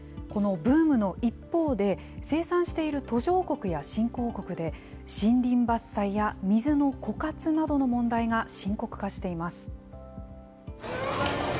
このブームの一方で、生産している途上国や新興国で、森林伐採や水の枯渇などの問題が深刻化しています。